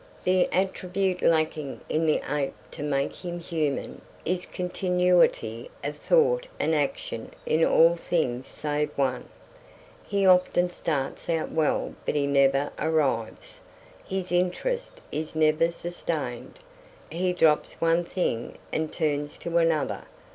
The attribute lacking in the ape to make him human is continuity of thought and action in all things save one. He often starts out well but he never arrives. His interest is never sustained. He drops one thing and turns to another.